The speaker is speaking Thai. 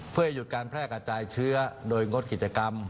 เพื่อให้หยุดการแพร่กระจายเชื้อโดยงดกิจกรรม